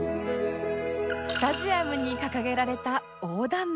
スタジアムに掲げられた横断幕